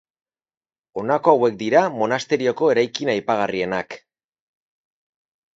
Honako hauek dira monasterioko eraikin aipagarrienak.